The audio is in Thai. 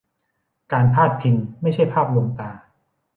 การพาดพิงไม่ใช่ภาพลวงตา